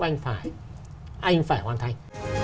anh phải hoàn thành